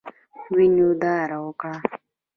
وینو داره وکړه.